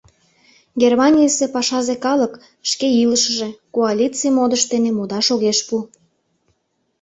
Германийысе пашазе калык шке илышыже, коалиций модыш дене модаш огеш пу.